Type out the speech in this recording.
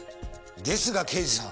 ですが刑事さん